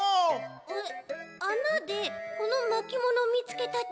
えっあなでこのまきものみつけたち？